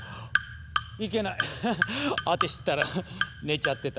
いけないアテシったら寝ちゃってたわ。